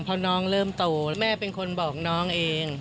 เพราะน้องเริ่มโตแม่เป็นคนบอกน้องเอง